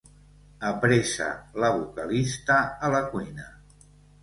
Apressa la vocalista a la cuina.